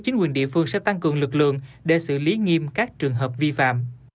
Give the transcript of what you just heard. chính quyền địa phương sẽ tăng cường lực lượng để xử lý nghiêm các trường hợp vi phạm